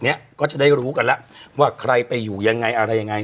เนี้ยก็จะได้รู้กันแล้วว่าใครไปอยู่ยังไงอะไรยังไง